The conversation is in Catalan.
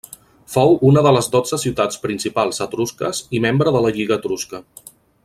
Fou una de les dotze ciutats principals etrusques i membre de la Lliga Etrusca.